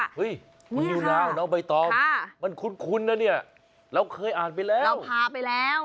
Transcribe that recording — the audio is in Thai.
เฮ้ยคุณอยู่แล้วน้องใบตอมมันคุ้นนะเนี่ยเราเคยอ่านไปแล้ว